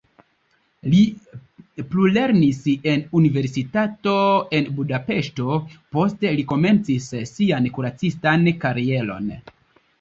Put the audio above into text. Li plulernis en universitato en Budapeŝto, poste li komencis sian kuracistan karieron.